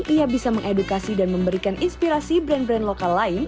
ia bisa mengedukasi dan memberikan inspirasi brand brand lokal lain